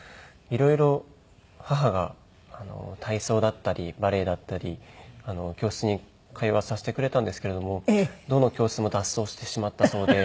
色々母が体操だったりバレエだったり教室に通わさせてくれたんですけれどもどの教室も脱走してしまったそうで。